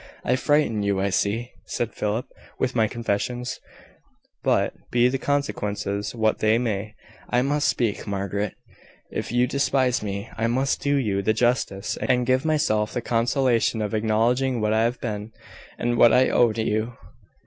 "I frighten you, I see," said Philip, "with my confessions; but, be the consequences what they may, I must speak, Margaret. If you despise me, I must do you the justice, and give myself the consolation, of acknowledging what I have been, and what I owe to you."